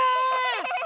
ハハハハ！